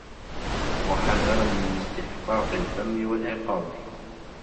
وَحَذَرًا مِنْ اسْتِحْقَاقِ الذَّمِّ وَالْعِقَابِ